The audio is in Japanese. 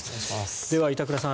では、板倉さん